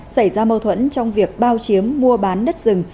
xảy ra mâu thuẫn trong việc bao chiếm mua bán đất rừng